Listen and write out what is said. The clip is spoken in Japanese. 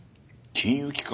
金融機関？